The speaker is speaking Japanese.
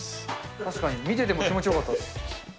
確かに、見てても気持ちよかったです。